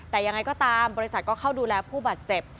แต่ยังไงก็ตามบริษัทก็เข้าดูแลผู้บาดเจ็บ